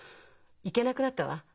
行けなくなったわ。